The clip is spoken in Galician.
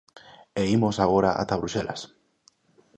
E imos agora ata Bruxelas.